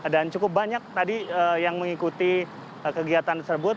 dan cukup banyak tadi yang mengikuti kegiatan tersebut